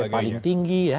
survei paling tinggi ya